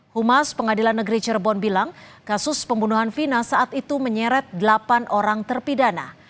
humas pengadilan negeri cirebon bilang kasus pembunuhan vina saat itu menyeret delapan orang terpidana